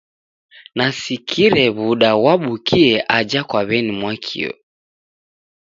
Nasikire w'uda ghwabukie aja kwa weni-Mwakio.